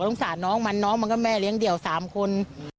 สงสารน้องมันน้องมันก็แม่เลี้ยงเดี่ยว๓คน